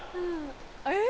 えっ！